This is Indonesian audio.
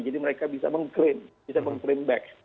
jadi mereka bisa meng claim bisa meng claim back